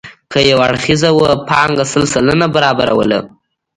که یو اړخیزه وه پانګه سل سلنه برابروله.